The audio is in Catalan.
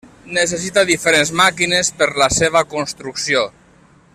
Necessita diferents màquines per la seva construcció.